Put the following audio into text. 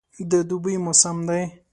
د دوبي موسم دی.